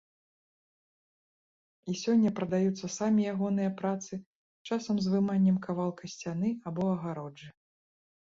І сёння прадаюцца самі ягоныя працы, часам з выманнем кавалка сцяны або агароджы.